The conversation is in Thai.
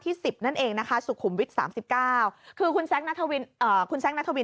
ที่๑๐นั่นเองนะคะสุขุมวิทย์๓๙คือคุณแซคณธวินคุณแซคณธวิน